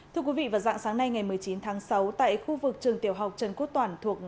thưa quý vị vào dạng sáng nay ngày một mươi chín tháng sáu tại khu vực trường tiểu học trần quốc toàn thuộc